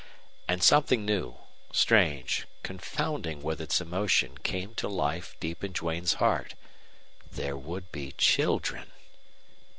And something new, strange, confounding with its emotion, came to life deep in Duane's heart. There would be children!